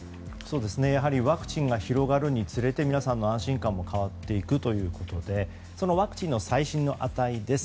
やはりワクチンが広がるにつれて皆さんの安心感も変わっていくということでそのワクチンの最新の値です。